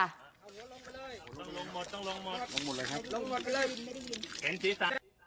ก็เราก็ลงไปเลย